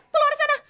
keluar dari sana